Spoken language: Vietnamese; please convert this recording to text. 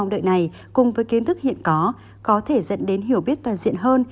trong đợi này cùng với kiến thức hiện có có thể dẫn đến hiểu biết toàn diện hơn